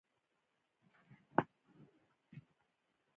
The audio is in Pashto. ته د ډارت ایس میکس په څیړنیز کوچ تیری کوې